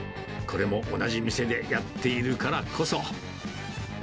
これも同じ店でやっているからこそ。